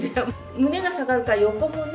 胸が下がるから横もね。